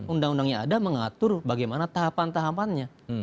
undang undang yang ada mengatur bagaimana tahapan tahapannya